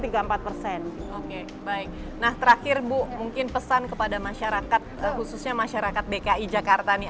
oke baik nah terakhir bu mungkin pesan kepada masyarakat khususnya masyarakat dki jakarta nih